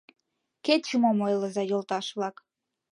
Кеч-мом ойлыза, йолташ-влак!